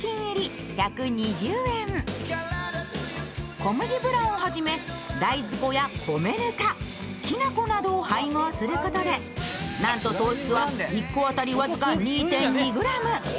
小麦ブランをはじめ大豆粉や米ぬか、きな粉などを配合することでなんと糖質は１個あたり僅か２．２ｇ。